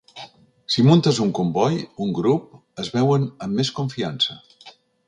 Si muntes un comboi, un grup, es veuen amb més confiança.